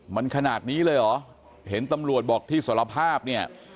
มันขนาดนี้เลยเหรอเห็นตำรวจบอกที่สารภาพเนี่ย